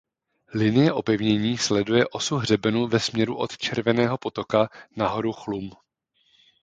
Linie opevnění sleduje osu hřebenu ve směru od Červeného Potoka na horu Chlum.